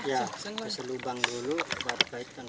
iya kasih lubang dulu baru kaitkan